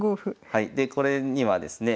はいでこれにはですね